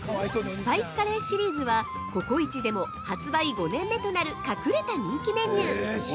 ◆スパイスカレーシリーズはココイチでも発売５年目となる隠れた人気メニュー！